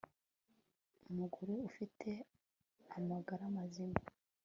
umugore ufite amagara mazima